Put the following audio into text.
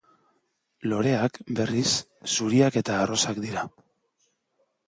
Loreak, berriz, zuriak eta arrosak dira.